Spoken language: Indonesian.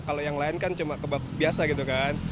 kalau yang lain kan cuma kebab biasa gitu kan